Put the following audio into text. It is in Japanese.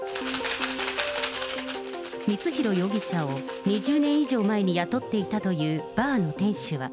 光弘容疑者を２０年以上前に雇っていたというバーの店主は。